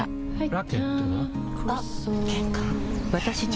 ラケットは？